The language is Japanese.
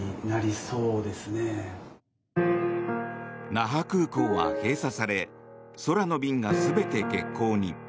那覇空港は閉鎖され空の便が全て欠航に。